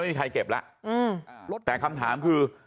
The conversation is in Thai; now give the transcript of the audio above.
มีใครเก็บล่ะแต่คำถามคือ